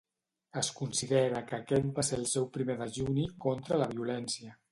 Es considera que aquest va ser el seu primer dejuni contra la violència.